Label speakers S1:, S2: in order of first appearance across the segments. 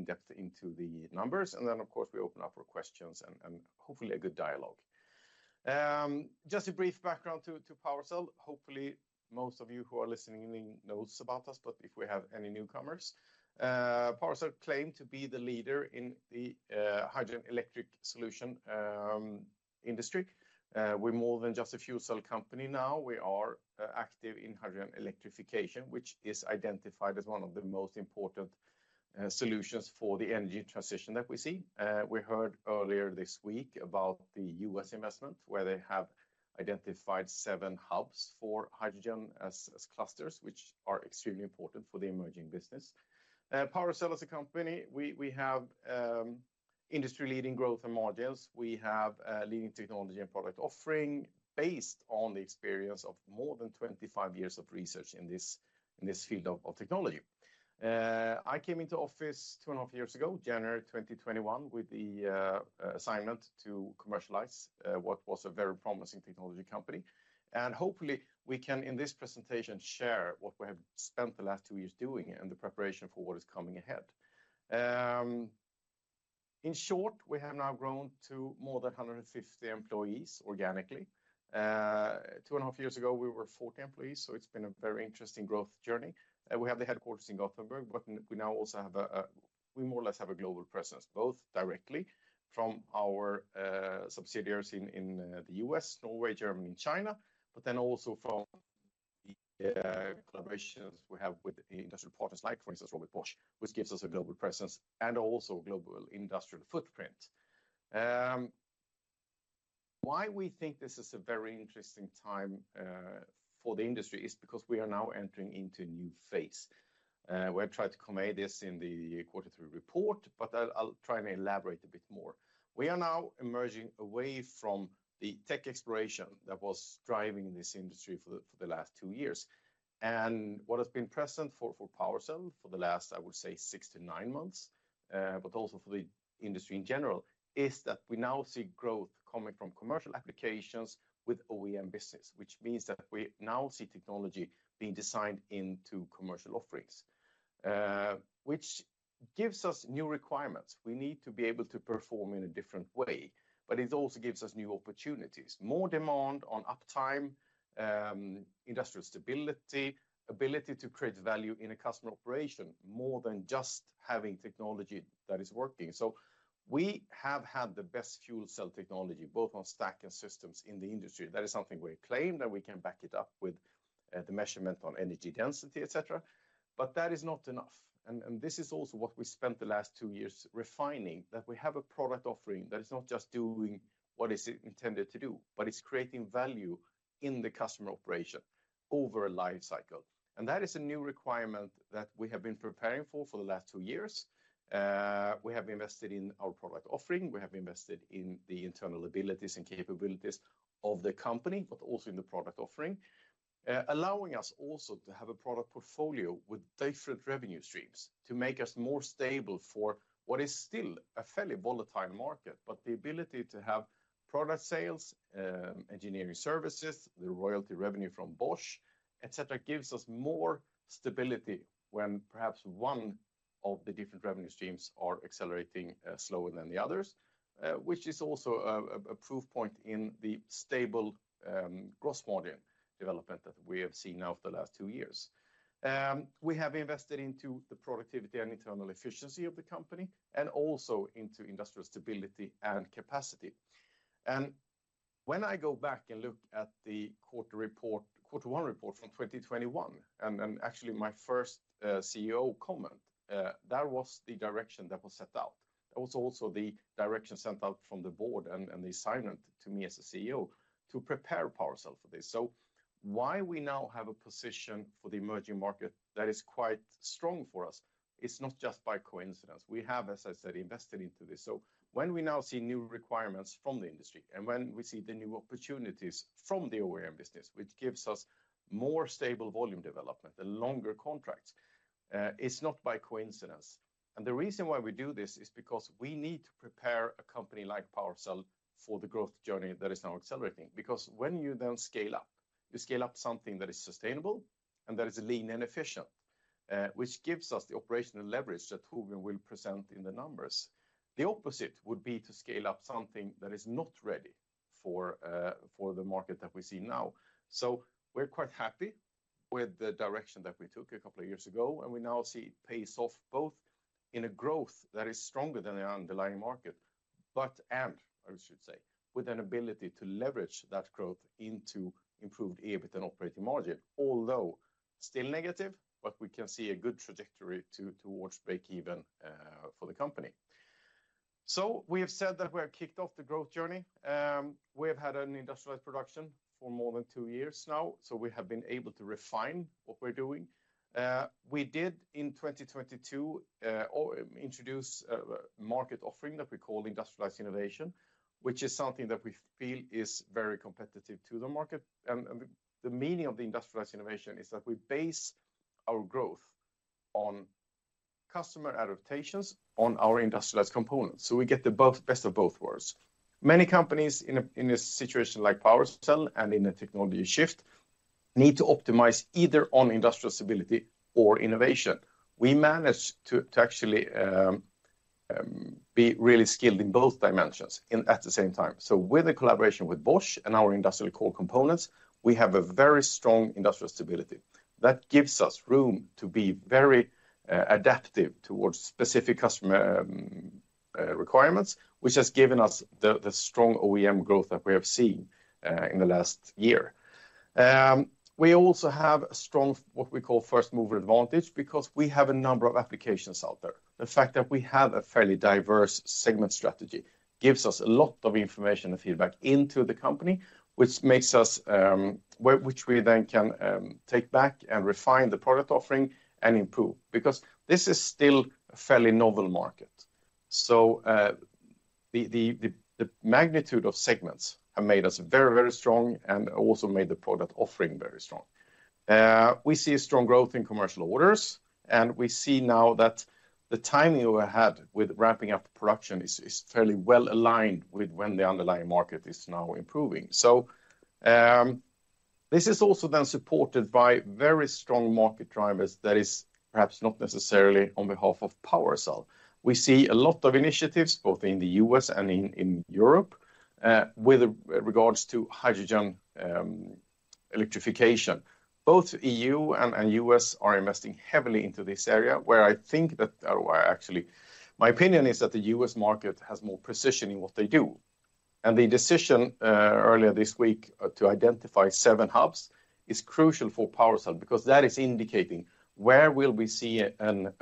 S1: In depth into the numbers, and then, of course, we open up for questions and hopefully a good dialogue. Just a brief background to PowerCell. Hopefully, most of you who are listening knows about us, but if we have any newcomers, PowerCell claim to be the leader in the hydrogen electric solution industry. We're more than just a fuel cell company now. We are active in hydrogen electrification, which is identified as one of the most important solutions for the energy transition that we see. We heard earlier this week about the U.S. investment, where they have identified 7 hubs for hydrogen as clusters, which are extremely important for the emerging business. PowerCell as a company, we have industry-leading growth and margins. We have leading technology and product offering based on the experience of more than 25 years of research in this field of technology. I came into office two and a half years ago, January 2021, with the assignment to commercialize what was a very promising technology company. And hopefully, we can, in this presentation, share what we have spent the last two years doing and the preparation for what is coming ahead. In short, we have now grown to more than 150 employees organically. Two and a half years ago, we were 40 employees, so it's been a very interesting growth journey. We have the headquarters in Gothenburg, but we now also have, we more or less have a global presence, both directly from our subsidiaries in the U.S., Norway, Germany, and China, but then also from the collaborations we have with the industrial partners, like, for instance, Robert Bosch, which gives us a global presence and also a global industrial footprint. Why we think this is a very interesting time for the industry is because we are now entering into a new phase. We have tried to convey this in theQ3 report, but I'll try and elaborate a bit more. We are now emerging away from the tech exploration that was driving this industry for the last two years. What has been present for PowerCell for the last, I would say, 6-9 months, but also for the industry in general, is that we now see growth coming from commercial applications with OEM business, which means that we now see technology being designed into commercial offerings, which gives us new requirements. We need to be able to perform in a different way, but it also gives us new opportunities, more demand on uptime, industrial stability, ability to create value in a customer operation, more than just having technology that is working. So we have had the best fuel cell technology, both on stack and systems, in the industry. That is something we claim, and we can back it up with the measurement on energy density, et cetera. But that is not enough. This is also what we spent the last two years refining, that we have a product offering that is not just doing what is it intended to do, but it's creating value in the customer operation over a life cycle. That is a new requirement that we have been preparing for for the last two years. We have invested in our product offering. We have invested in the internal abilities and capabilities of the company, but also in the product offering, allowing us also to have a product portfolio with different revenue streams to make us more stable for what is still a fairly volatile market. But the ability to have product sales, engineering services, the royalty revenue from Bosch, et cetera, gives us more stability when perhaps one of the different revenue streams are accelerating slower than the others, which is also a proof point in the stable, gross margin development that we have seen now for the last two years. We have invested into the productivity and internal efficiency of the company, and also into industrial stability and capacity. And when I go back and look at the quarter report, quarter one report from 2021, and actually my first CEO comment, that was the direction that was set out. That was also the direction sent out from the board and the assignment to me as a CEO to prepare PowerCell for this. So why we now have a position for the emerging market that is quite strong for us, it's not just by coincidence. We have, as I said, invested into this. So when we now see new requirements from the industry and when we see the new opportunities from the OEM business, which gives us more stable volume development and longer contracts, it's not by coincidence. And the reason why we do this is because we need to prepare a company like PowerCell for the growth journey that is now accelerating. Because when you then scale up, you scale up something that is sustainable and that is lean and efficient, which gives us the operational leverage that Torbjörn will present in the numbers. The opposite would be to scale up something that is not ready for the market that we see now. So we're quite happy with the direction that we took a couple of years ago, and we now see it pays off, both in a growth that is stronger than the underlying market, but—and I should say, with an ability to leverage that growth into improved EBIT and operating margin, although still negative, but we can see a good trajectory towards break even for the company. So we have said that we have kicked off the growth journey. We have had an industrialized production for more than two years now, so we have been able to refine what we're doing. We did, in 2022, introduce a market offering that we call industrialized innovation, which is something that we feel is very competitive to the market. The meaning of the industrialized innovation is that we base our growth on customer adaptations on our industrialized components, so we get the best of both worlds. Many companies in a situation like PowerCell and in a technology shift need to optimize either on industrial stability or innovation. We managed to actually be really skilled in both dimensions at the same time. So with the collaboration with Bosch and our industrial core components, we have a very strong industrial stability. That gives us room to be very adaptive towards specific customer requirements, which has given us the strong OEM growth that we have seen in the last year. We also have a strong, what we call first mover advantage, because we have a number of applications out there. The fact that we have a fairly diverse segment strategy gives us a lot of information and feedback into the company, which makes us, which we then can take back and refine the product offering and improve. Because this is still a fairly novel market, the magnitude of segments have made us very, very strong and also made the product offering very strong. We see a strong growth in commercial orders, and we see now that the timing we had with ramping up production is fairly well aligned with when the underlying market is now improving. This is also then supported by very strong market drivers that is perhaps not necessarily on behalf of PowerCell. We see a lot of initiatives, both in the U.S. and in Europe, with regards to hydrogen electrification. Both E.U. and U.S. are investing heavily into this area, where I think that, or actually, my opinion is that the U.S. market has more precision in what they do. The decision earlier this week to identify seven hubs is crucial for PowerCell, because that is indicating where will we see an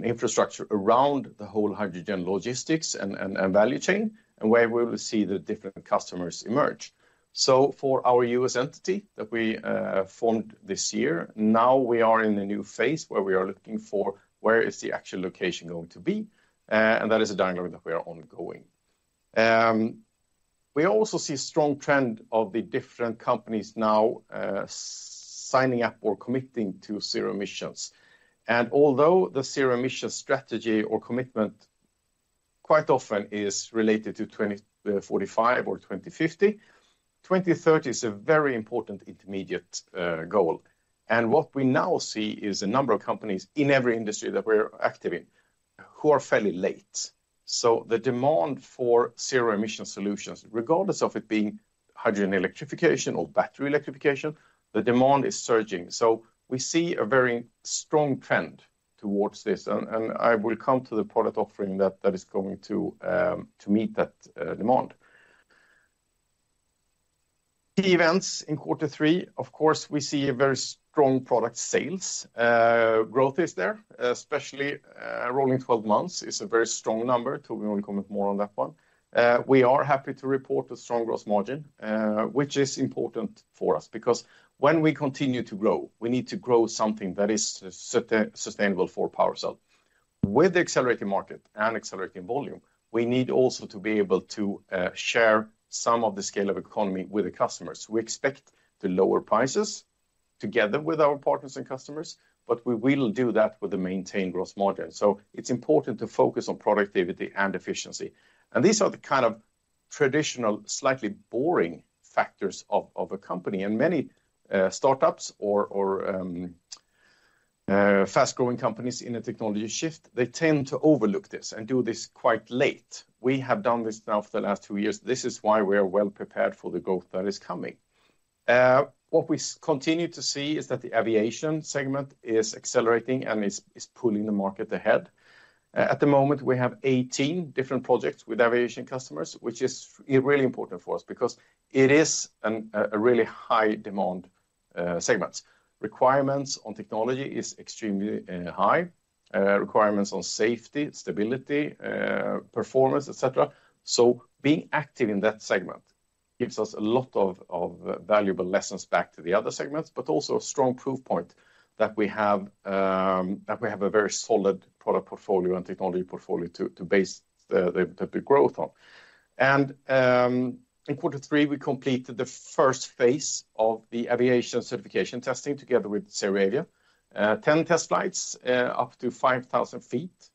S1: infrastructure around the whole hydrogen logistics and value chain, and where we will see the different customers emerge. So for our U.S. entity that we formed this year, now we are in a new phase where we are looking for where is the actual location going to be, and that is a dialogue that we are ongoing. We also see a strong trend of the different companies now signing up or committing to zero emissions. Although the zero-emission strategy or commitment quite often is related to 2045 or 2050, 2030 is a very important intermediate goal. And what we now see is a number of companies in every industry that we're active in who are fairly late. So the demand for zero-emission solutions, regardless of it being hydrogen electrification or battery electrification, the demand is surging. So we see a very strong trend towards this, and I will come to the product offering that is going to to meet that demand. Key events in Q3, of course, we see a very strong product sales growth is there, especially, rolling 12 months is a very strong number. Torbjörn will comment more on that one. We are happy to report a strong gross margin, which is important for us, because when we continue to grow, we need to grow something that is sustainable for PowerCell. With the accelerating market and accelerating volume, we need also to be able to share some of the scale of economy with the customers. We expect to lower prices together with our partners and customers, but we will do that with a maintained gross margin. So it's important to focus on productivity and efficiency. And these are the kind of traditional, slightly boring factors of a company, and many startups or fast-growing companies in a technology shift, they tend to overlook this and do this quite late. We have done this now for the last two years. This is why we are well prepared for the growth that is coming. What we continue to see is that the aviation segment is accelerating and is pulling the market ahead. At the moment, we have 18 different projects with aviation customers, which is really important for us because it is a really high demand segment. Requirements on technology is extremely high, requirements on safety, stability, performance, et cetera. So being active in that segment gives us a lot of valuable lessons back to the other segments, but also a strong proof point that we have, that we have a very solid product portfolio and technology portfolio to base the growth on. And in Q3, we completed the first phase of the aviation certification testing together with ZeroAvia. 10 test flights up to 5,000 feet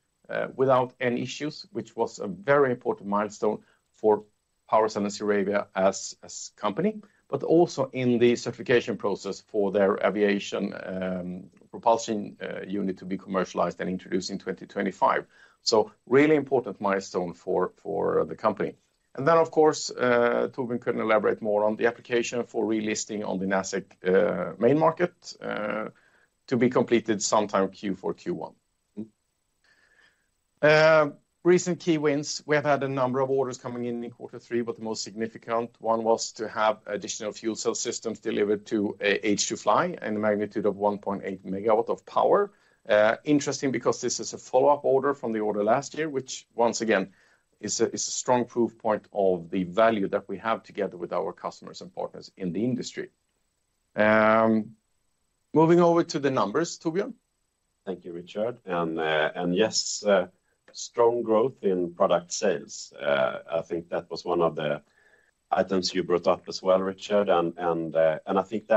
S1: without any issues, which was a very important milestone for PowerCell and ZeroAvia as a company, but also in the certification process for their aviation propulsion unit to be commercialized and introduced in 2025. So really important milestone for the company. And then, of course, Torbjörn can elaborate more on the application for relisting on the Nasdaq main market to be completed sometime Q4, Q1. Recent key wins. We have had a number of orders coming in in Q3, but the most significant one was to have additional fuel cell systems delivered to H2FLY in the magnitude of 1.8 megawatts of power. Interesting because this is a follow-up order from the order last year, which once again is a strong proof point of the value that we have together with our customers and partners in the industry. Moving over to the numbers, Torbjörn.
S2: Thank you, Richard. And yes, strong growth in product sales. I think that was one of the items you brought up as well, Richard. And I think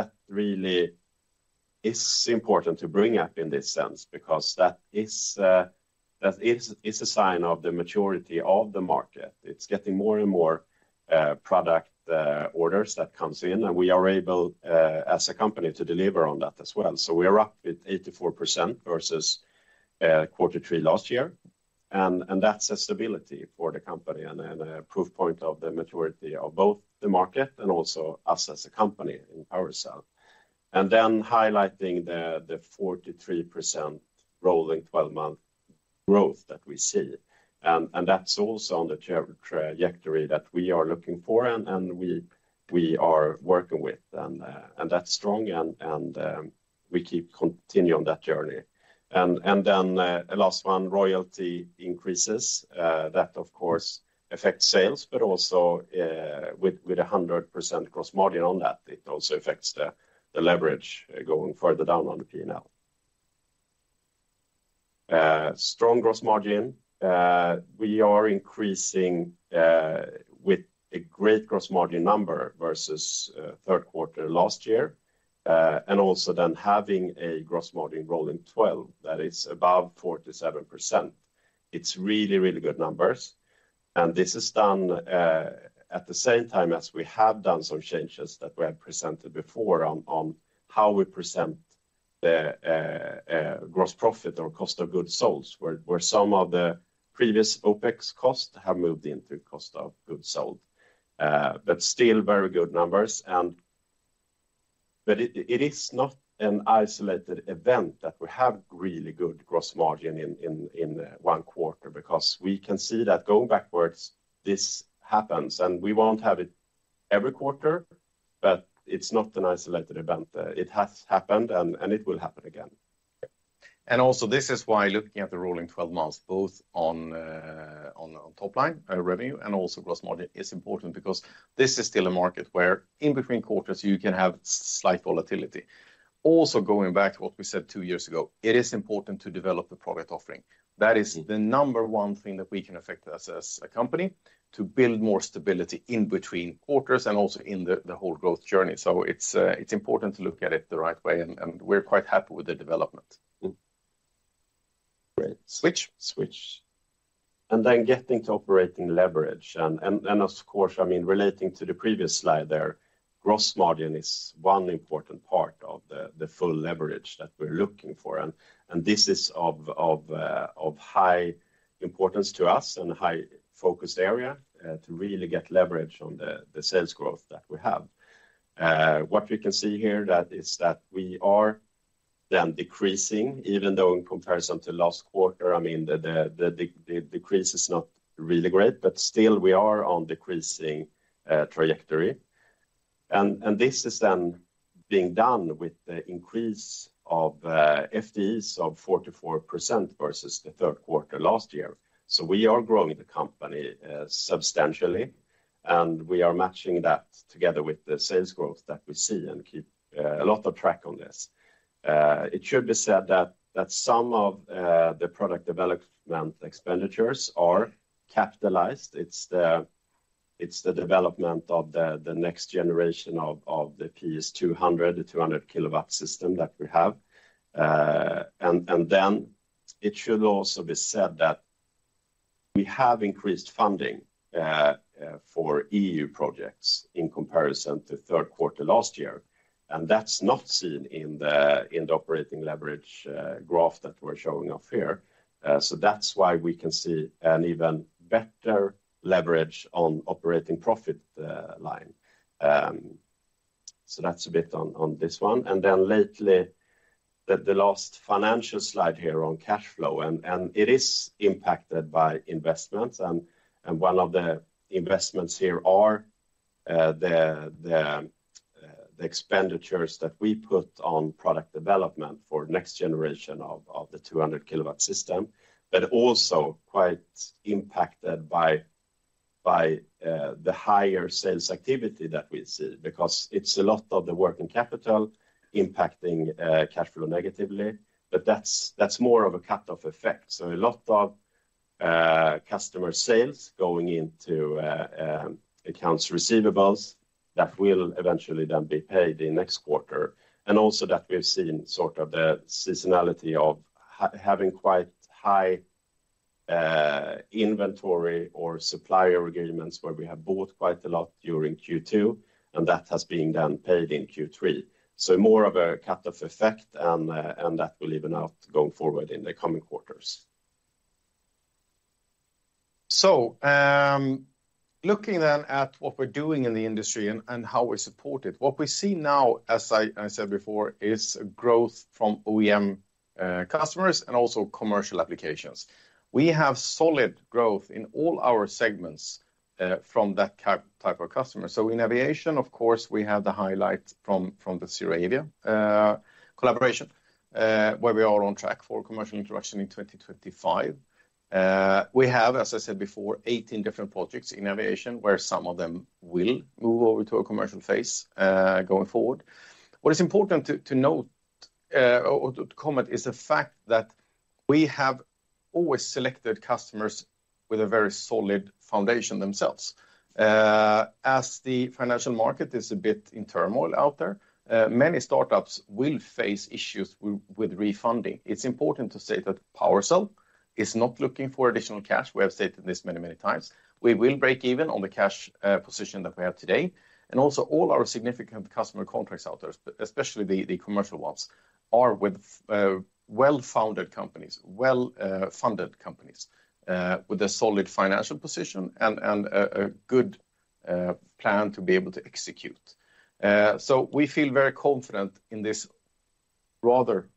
S2: it's important to bring up in this sense, because that is a sign of the maturity of the market. It's getting more and more product orders that comes in, and we are able as a company to deliver on that as well. So we are up 84% versus Q3 last year, and that's a stability for the company and a proof point of the maturity of both the market and also us as a company in ourselves. And then highlighting the 43% rolling twelve-month growth that we see, and that's also on the trajectory that we are looking for and we are working with. And that's strong, and we keep continuing on that journey. And then the last one, royalty increases. That of course affects sales, but also with a 100% gross margin on that, it also affects the leverage going further down on the P&L. Strong gross margin. We are increasing with a great gross margin number versus Q3 last year. And also then having a gross margin rolling twelve that is above 47%. It's really, really good numbers, and this is done at the same time as we have done some changes that we have presented before on how we present the gross profit or cost of goods sold, where some of the previous OPEX costs have moved into cost of goods sold. But still very good numbers, but it is not an isolated event that we have really good gross margin in one quarter, because we can see that going backwards, this happens, and we won't have it every quarter, but it's not an isolated event. It has happened, and it will happen again.
S1: And also, this is why looking at the rolling twelve months, both on top line revenue, and also gross margin, is important, because this is still a market where in between quarters, you can have slight volatility. Also, going back to what we said two years ago, it is important to develop a product offering. That is the number one thing that we can affect us as a company, to build more stability in between quarters and also in the whole growth journey. So it's important to look at it the right way, and we're quite happy with the development.
S2: Great. Switch.
S1: Switch.
S2: And then getting to operating leverage, of course, I mean, relating to the previous slide there, gross margin is one important part of the full leverage that we're looking for. This is of high importance to us and a high-focused area to really get leverage on the sales growth that we have. What we can see here is that we are then decreasing, even though in comparison to last quarter, I mean, the decrease is not really great, but still we are on decreasing trajectory. This is then being done with the increase of FTEs of 44% versus the Q3 last year. So we are growing the company substantially, and we are matching that together with the sales growth that we see and keep a lot of track on this. It should be said that some of the product development expenditures are capitalized. It's the development of the next generation of the PS 200, the 200 kW system that we have. And then it should also be said that we have increased funding for EU projects in comparison to Q3 last year, and that's not seen in the operating leverage graph that we're showing off here. So that's why we can see an even better leverage on operating profit line. So that's a bit on this one. And then lately, the last financial slide here on cash flow, and it is impacted by investments, and one of the investments here are the expenditures that we put on product development for next generation of the 200 kilowatt system, but also quite impacted by the higher sales activity that we see, because it's a lot of the working capital impacting cash flow negatively, but that's more of a cut-off effect. So a lot of customer sales going into accounts receivables that will eventually then be paid in next quarter. And also that we've seen sort of the seasonality of having quite high inventory or supplier agreements, where we have bought quite a lot during Q2, and that has been then paid in Q3. So more of a cut-off effect, and, and that will even out going forward in the coming quarters.
S1: Looking then at what we're doing in the industry and how we support it, what we see now, as I said before, is growth from OEM customers and also commercial applications. We have solid growth in all our segments from that type of customer. In aviation, of course, we have the highlight from the ZeroAvia collaboration, where we are on track for commercial introduction in 2025. We have, as I said before, 18 different projects in aviation, where some of them will move over to a commercial phase going forward. What is important to note or to comment is the fact that we have always selected customers with a very solid foundation themselves. As the financial market is a bit in turmoil out there, many startups will face issues with refunding. It's important to say that PowerCell is not looking for additional cash. We have stated this many, many times. We will break even on the cash position that we have today, and also all our significant customer contracts out there, especially the commercial ones, are with well-founded companies, well funded companies, with a solid financial position and a good plan to be able to execute. So we feel very confident in this rather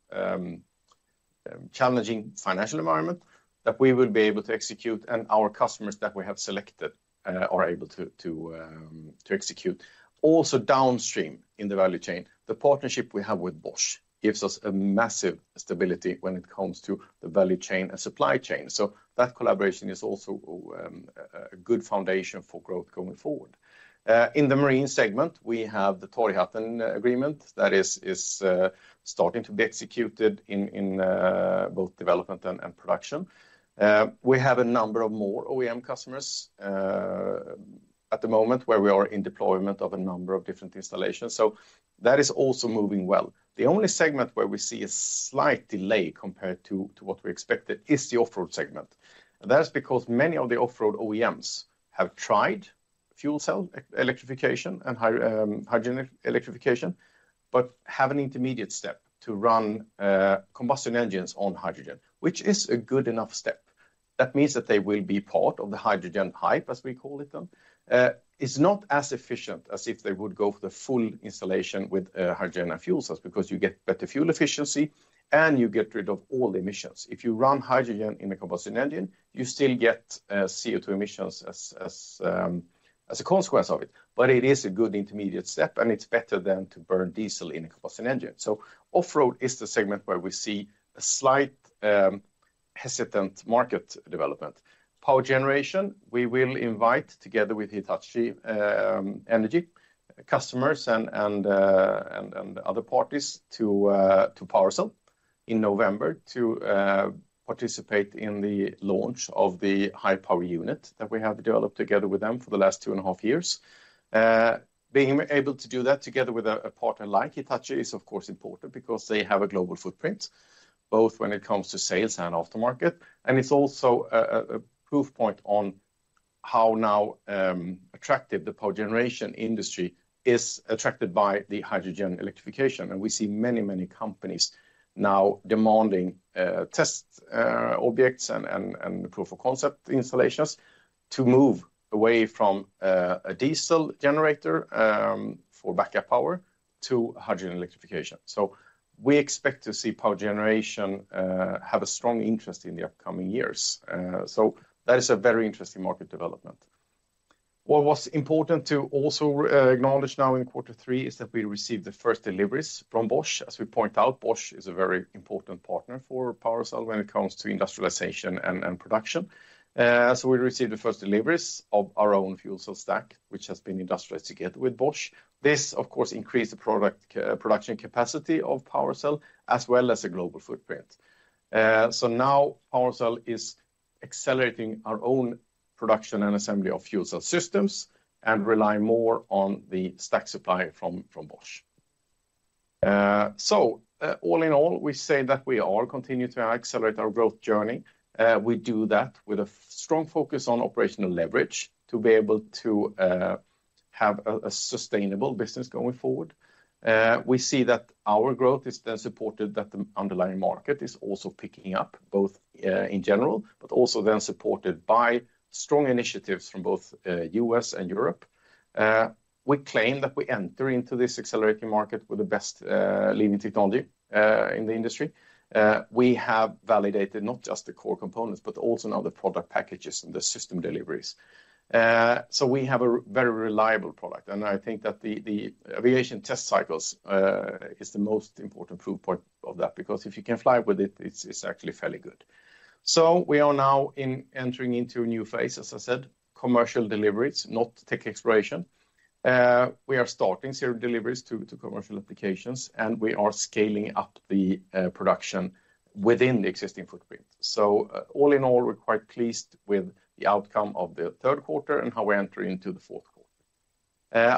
S1: challenging financial environment, that we will be able to execute, and our customers that we have selected are able to execute. Also, downstream in the value chain, the partnership we have with Bosch gives us a massive stability when it comes to the value chain and supply chain. So that collaboration is also a good foundation for growth going forward. In the marine segment, we have the Torghatten agreement that is starting to be executed in both development and production. We have a number of more OEM customers at the moment, where we are in deployment of a number of different installations, so that is also moving well. The only segment where we see a slight delay compared to what we expected is the off-road segment. That's because many of the off-road OEMs have tried fuel cell electrification and hydrogen electrification, but have an intermediate step to run combustion engines on hydrogen, which is a good enough step. That means that they will be part of the hydrogen hype, as we call it them. It's not as efficient as if they would go for the full installation with hydrogen and fuel cells, because you get better fuel efficiency, and you get rid of all the emissions. If you run hydrogen in a combustion engine, you still get CO2 emissions as a consequence of it. But it is a good intermediate step, and it's better than to burn diesel in a combustion engine. So off-road is the segment where we see a slight hesitant market development. Power generation, we will invite, together with Hitachi, energy customers and other parties to PowerCell in November to participate in the launch of the high-power unit that we have developed together with them for the last 2.5 years. Being able to do that together with a partner like Hitachi is, of course, important because they have a global footprint, both when it comes to sales and aftermarket. And it's also a proof point on how now attractive the power generation industry is attracted by the hydrogen electrification. And we see many, many companies now demanding test objects and proof-of-concept installations to move away from a diesel generator for backup power, to hydrogen electrification. So we expect to see power generation have a strong interest in the upcoming years. So that is a very interesting market development. What was important to also acknowledge now in quarter three is that we received the first deliveries from Bosch. As we point out, Bosch is a very important partner for PowerCell when it comes to industrialization and production. So we received the first deliveries of our own fuel cell stack, which has been industrialized together with Bosch. This, of course, increased the product production capacity of PowerCell, as well as the global footprint. So now PowerCell is accelerating our own production and assembly of fuel cell systems and rely more on the stack supply from Bosch. So, all in all, we say that we all continue to accelerate our growth journey. We do that with a strong focus on operational leverage to be able to have a sustainable business going forward. We see that our growth is then supported, that the underlying market is also picking up, both in general, but also then supported by strong initiatives from both U.S. and Europe. We claim that we enter into this accelerating market with the best leading technology in the industry. We have validated not just the core components, but also now the product packages and the system deliveries. So we have a very reliable product, and I think that the aviation test cycles is the most important proof point of that, because if you can fly with it, it's actually fairly good. So we are now in entering into a new phase, as I said, commercial deliveries, not tech exploration. We are starting several deliveries to commercial applications, and we are scaling up the production within the existing footprint. So, all in all, we're quite pleased with the outcome of the Q3 and how we enter into the Q4.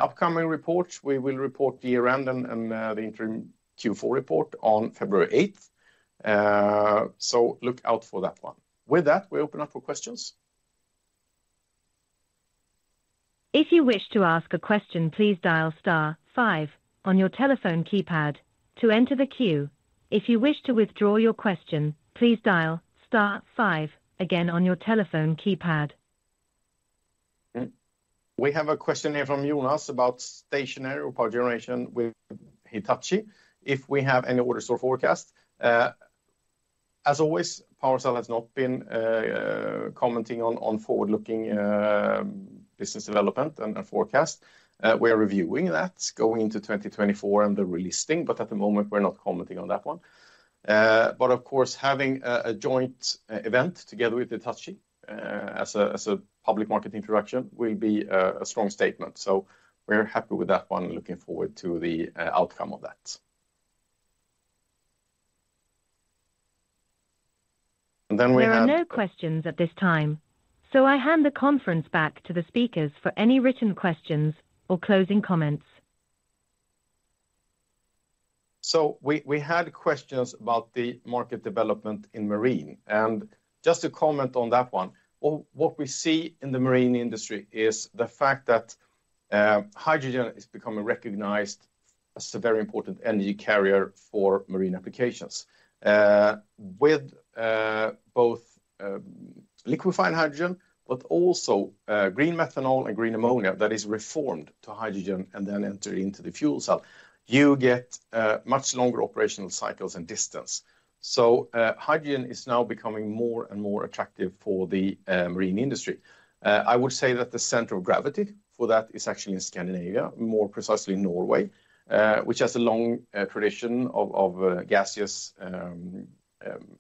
S1: Upcoming reports, we will report the year-end and the interim Q4 report on February 8th. So look out for that one. With that, we open up for questions.
S3: If you wish to ask a question, please dial star five on your telephone keypad to enter the queue. If you wish to withdraw your question, please dial star five again on your telephone keypad.
S1: We have a question here from Jonas about stationary or power generation with Hitachi, if we have any orders or forecast. As always, PowerCell has not been commenting on forward-looking business development and forecast. We are reviewing that going into 2024 and the releasing, but at the moment, we're not commenting on that one. But of course, having a joint event together with Hitachi as a public market introduction will be a strong statement. So we're happy with that one and looking forward to the outcome of that.
S3: And then we have no questions at this time, so I hand the conference back to the speakers for any written questions or closing comments.
S1: So we had questions about the market development in marine, and just to comment on that one, well, what we see in the marine industry is the fact that hydrogen is becoming recognized as a very important energy carrier for marine applications. With both liquefied hydrogen, but also green methanol and green ammonia that is reformed to hydrogen and then enter into the fuel cell. You get much longer operational cycles and distance. So hydrogen is now becoming more and more attractive for the marine industry. I would say that the center of gravity for that is actually in Scandinavia, more precisely Norway, which has a long tradition of gaseous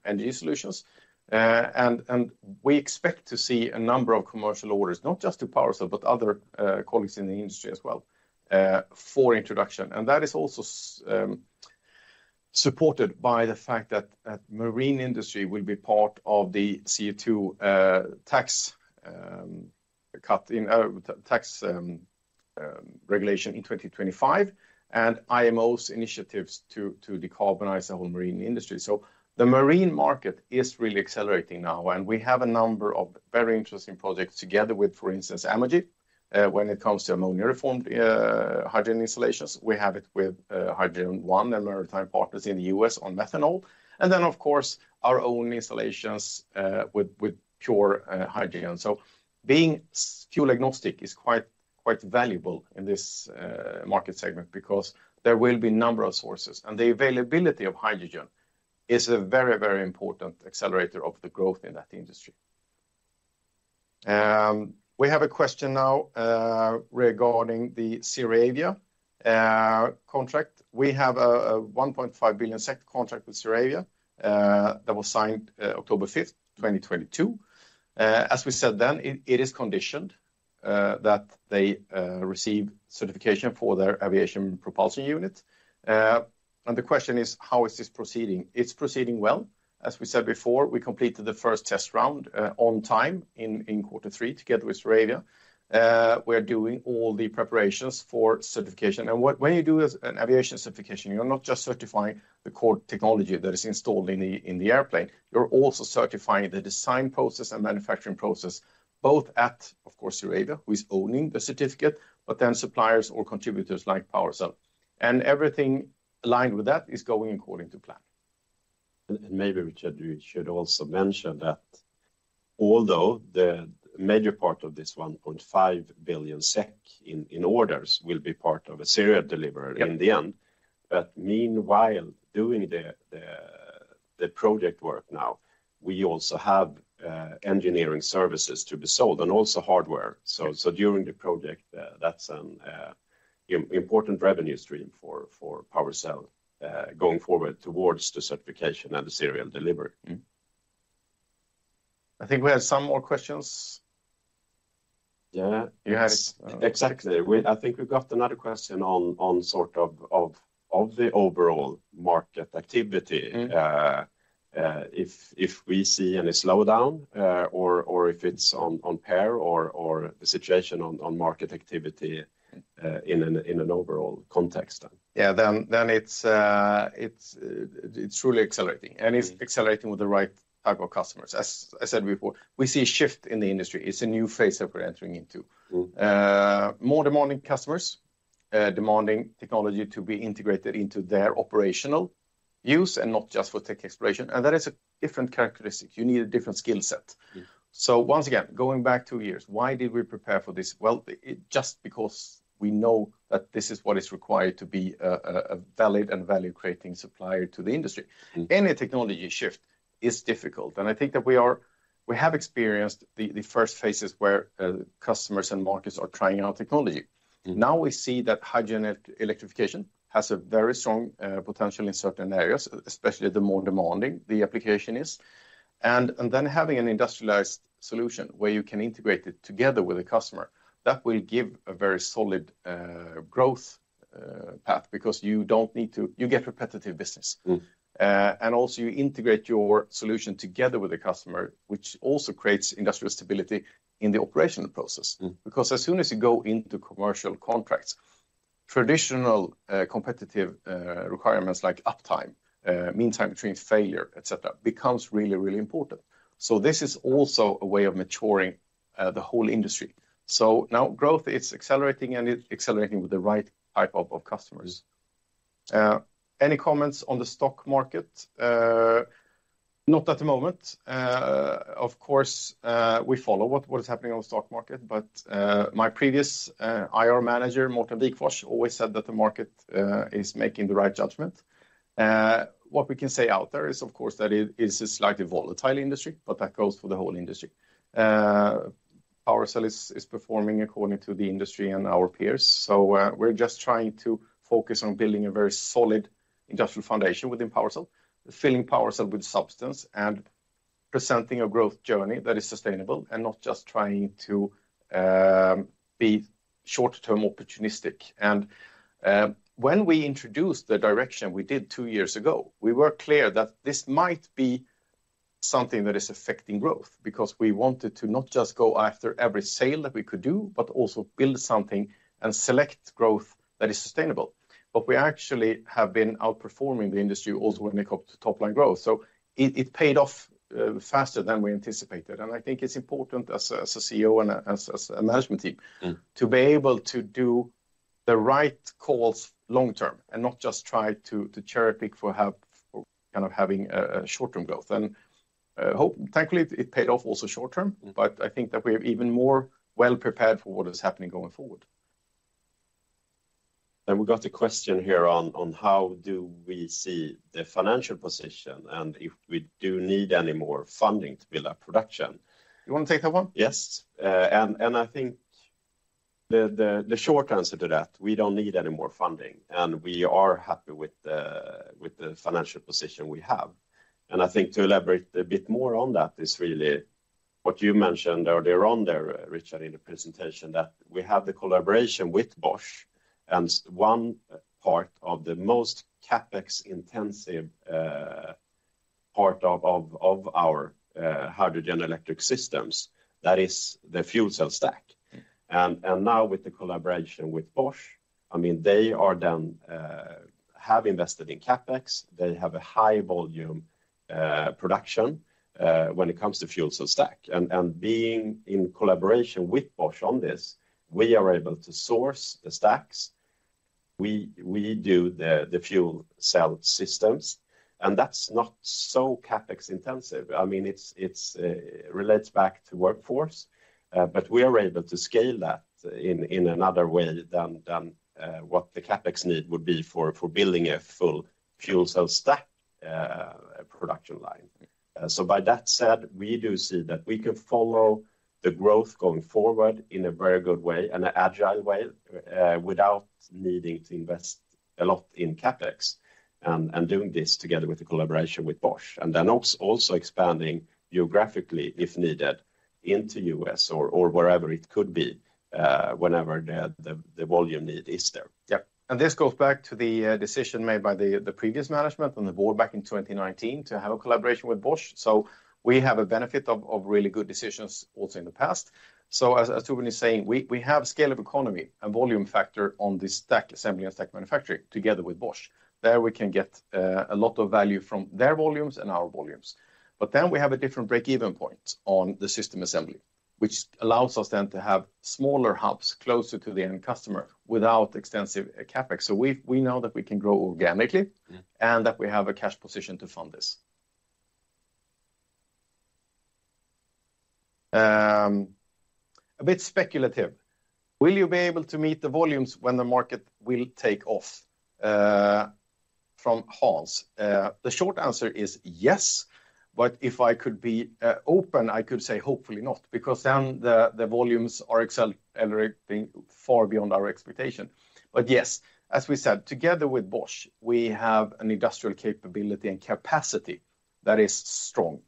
S1: energy solutions. And we expect to see a number of commercial orders, not just to PowerCell, but other colleagues in the industry as well, for introduction. And that is also supported by the fact that the marine industry will be part of the CO2 tax cut in tax regulation in 2025, and IMO's initiatives to decarbonize the whole marine industry. So the marine market is really accelerating now, and we have a number of very interesting projects together with, for instance, Amogy, when it comes to ammonia reformed hydrogen installations. We have it with Hydrogen One and Maritime Partners in the U.S. on methanol, and then of course, our own installations with pure hydrogen. So being fuel agnostic is quite, quite valuable in this, market segment because there will be a number of sources, and the availability of hydrogen is a very, very important accelerator of the growth in that industry. We have a question now, regarding the ZeroAvia contract. We have a 1.5 billion SEK contract with ZeroAvia that was signed October fifth, 2022. As we said then, it is conditioned that they receive certification for their aviation propulsion unit. And the question is: How is this proceeding? It's proceeding well. As we said before, we completed the first test round on time in Q3, together with ZeroAvia. We're doing all the preparations for certification. When you do an aviation certification, you're not just certifying the core technology that is installed in the airplane, you're also certifying the design process and manufacturing process, both at, of course, ZeroAvia, who is owning the certificate, but then suppliers or contributors like PowerCell. And everything aligned with that is going according to plan.
S2: Maybe, Richard, you should also mention that although the major part of this 1.5 billion SEK in orders will be part of a serial delivery in the end-
S1: Yep.
S2: But meanwhile, doing the project work now, we also have engineering services to be sold and also hardware.
S1: Right.
S2: So during the project, that's an important revenue stream for PowerCell, going forward towards the certification and the serial delivery.
S1: Mm-hmm. I think we have some more questions.
S2: Yeah.
S1: Yes.
S2: Exactly. I think we've got another question on sort of the overall market activity. If we see any slowdown, or if it's on par or the situation on market activity, in an overall context then.
S1: Yeah, then it's truly accelerating, and it's accelerating with the right type of customers. As I said before, we see a shift in the industry. It's a new phase that we're entering into. More demanding customers, demanding technology to be integrated into their operational use and not just for tech exploration, and that is a different characteristic. You need a different skill set.
S2: Yeah.
S1: So once again, going back two years, why did we prepare for this? Well, it just because we know that this is what is required to be a valid and value-creating supplier to the industry. Any technology shift is difficult, and I think that we have experienced the first phases where customers and markets are trying out technology. Now we see that hydrogen electrification has a very strong potential in certain areas, especially the more demanding the application is. And then having an industrialized solution where you can integrate it together with a customer, that will give a very solid growth path, because you don't need to, you get repetitive business. And also you integrate your solution together with the customer, which also creates industrial stability in the operational process. Because as soon as you go into commercial contracts, traditional, competitive, requirements like uptime, mean time between failure, et cetera, becomes really, really important. So this is also a way of maturing the whole industry. So now growth is accelerating, and it's accelerating with the right type of customers. Any comments on the stock market? Not at the moment. Of course, we follow what is happening on the stock market, but my previous IR manager, Mårten Wikforss, always said that the market is making the right judgment. What we can say out there is, of course, that it is a slightly volatile industry, but that goes for the whole industry. PowerCell is performing according to the industry and our peers. So, we're just trying to focus on building a very solid industrial foundation within PowerCell, filling PowerCell with substance and presenting a growth journey that is sustainable, and not just trying to short-term opportunistic. And when we introduced the direction we did two years ago, we were clear that this might be something that is affecting growth, because we wanted to not just go after every sale that we could do, but also build something and select growth that is sustainable. But we actually have been outperforming the industry also when it comes to top-line growth. So it paid off faster than we anticipated, and I think it's important as a CEO and a management team- -to be able to do the right calls long-term, and not just try to cherry-pick for having a short-term growth. Thankfully, it paid off also short-term.
S2: Mm.
S1: I think that we are even more well-prepared for what is happening going forward.
S2: We got a question here on how we see the financial position, and if we do need any more funding to build our production.
S1: You want to take that one?
S2: Yes. And I think the short answer to that, we don't need any more funding, and we are happy with the financial position we have. And I think to elaborate a bit more on that is really what you mentioned earlier on there, Richard, in the presentation, that we have the collaboration with Bosch, and one part of the most CapEx-intensive part of our hydrogen electric systems, that is the fuel cell stack. And now with the collaboration with Bosch, I mean, they then have invested in CapEx. They have a high-volume production when it comes to fuel cell stack. And being in collaboration with Bosch on this, we are able to source the stacks. We do the fuel cell systems, and that's not so CapEx-intensive. I mean, it's relates back to workforce, but we are able to scale that in another way than what the CapEx need would be for building a full fuel cell stack production line. So by that said, we do see that we can follow the growth going forward in a very good way and an agile way, without needing to invest a lot in CapEx, and doing this together with the collaboration with Bosch. And then also expanding geographically, if needed, into U.S. or wherever it could be, whenever the volume need is there.
S1: Yep, and this goes back to the decision made by the previous management and the board back in 2019 to have a collaboration with Bosch. So we have a benefit of really good decisions also in the past. So as Torbjörn is saying, we have scale of economy and volume factor on the stack assembly and stack manufacturing together with Bosch. There, we can get a lot of value from their volumes and our volumes. But then we have a different break-even point on the system assembly, which allows us then to have smaller hubs closer to the end customer without extensive CapEx. So we know that we can grow organically-
S2: Mm.
S1: And that we have a cash position to fund this. A bit speculative: "Will you be able to meet the volumes when the market will take off?" from Hans. The short answer is yes, but if I could be open, I could say hopefully not, because then the volumes are accelerating far beyond our expectation. But yes, as we said, together with Bosch, we have an industrial capability and capacity that is strong.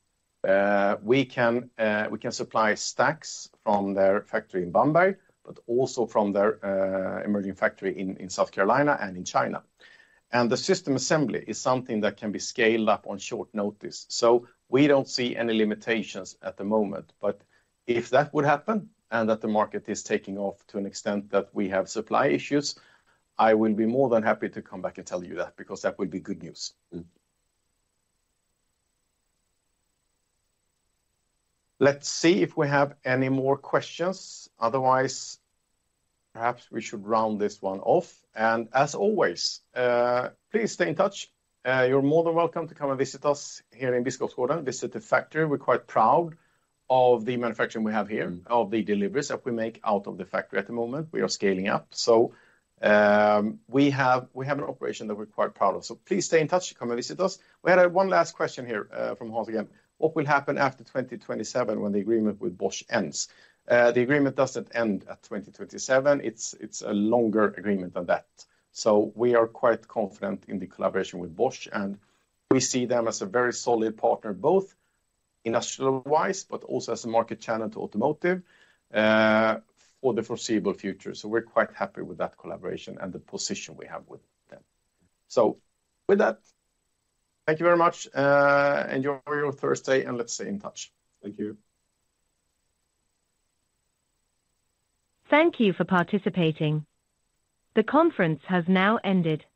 S1: We can supply stacks from their factory in Bamberg, but also from their emerging factory in South Carolina and in China. And the system assembly is something that can be scaled up on short notice, so we don't see any limitations at the moment. But if that would happen, and that the market is taking off to an extent that we have supply issues, I will be more than happy to come back and tell you that, because that would be good news. Let's see if we have any more questions. Otherwise, perhaps we should round this one off. As always, please stay in touch. You're more than welcome to come and visit us here in Biskopsgården. Visit the factory. We're quite proud of the manufacturing we have here- of the deliveries that we make out of the factory at the moment. We are scaling up. So, we have an operation that we're quite proud of, so please stay in touch to come and visit us. We had one last question here from Hans again: "What will happen after 2027 when the agreement with Bosch ends?" The agreement doesn't end at 2027. It's a longer agreement than that. So we are quite confident in the collaboration with Bosch, and we see them as a very solid partner, both industrial-wise, but also as a market channel to automotive for the foreseeable future. So we're quite happy with that collaboration and the position we have with them. So with that, thank you very much. Enjoy your Thursday, and let's stay in touch.
S2: Thank you.
S3: Thank you for participating. The conference has now ended.